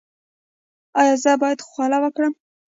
ایا زه باید خوله وکړم؟